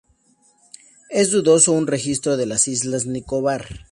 Es dudoso un registro de las islas Nicobar.